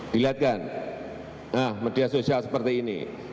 dilihat kan nah media sosial seperti ini